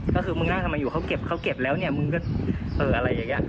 ก็คือมึงนั่งทำไมอยู่เขาเก็บเขาเก็บแล้วเนี่ยมึงก็เอออะไรอย่างนี้